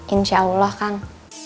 insya allah kang